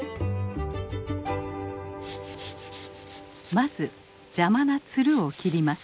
まず邪魔なつるを切ります。